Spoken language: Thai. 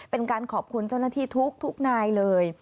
เป็นการขอบคุณเจ้าหน้าที่ทุกนายเลย